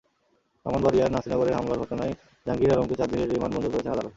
ব্রাহ্মণবাড়িয়ার নাসিরনগরের হামলার ঘটনায় জাহাঙ্গীর আলমকে চার দিনের রিমান্ড মঞ্জুর করেছেন আদালত।